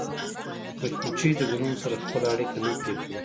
مچمچۍ د ګلونو سره خپله اړیکه نه پرې کوي